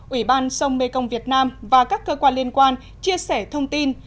ủy ban sông mê công việt nam và các cơ quan liên quan chia sẻ thông tin